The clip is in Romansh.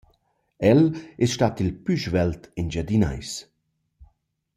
El es stat il plü svelt Engiadinais.